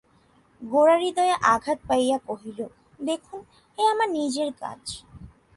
গোরা হৃদয়ে আঘাত পাইয়া কহিল, দেখুন, এ আমার নিজের কাজ।